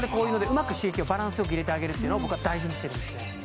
うまく刺激をバランスよく入れてあげるのを大事にしてます